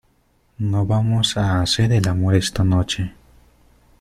no vamos a hacer el amor esta noche.